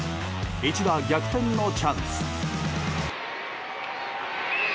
一打逆転のチャンス。